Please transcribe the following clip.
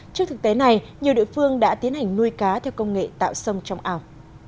trước thực tế này nhiều đội phương đã tiến hành nuôi cá theo công nghệ tạo sông trong ao